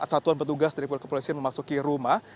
satuan petugas dari pihak kepolisian memasuki rumah